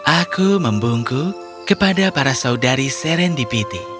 aku membungku kepada para saudari serendipity